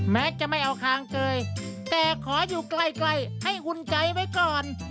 แม้จะไม่เอาคางเกยแต่ขออยู่ใกล้ให้อุ่นใจไว้ก่อน